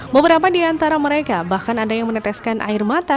beberapa di antara mereka bahkan ada yang meneteskan air mata